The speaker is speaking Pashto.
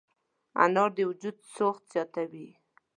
انار د وجود سوخت زیاتوي.